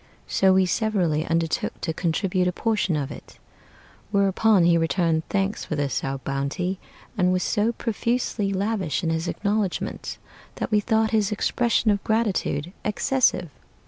So we severally undertook to contribute a portion of it, Whereupon he returned thanks for this our bounty, And was so profusely lavish in his acknowledgments, That we thought his expression of gratitude excessive.